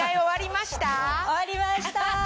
終わりました。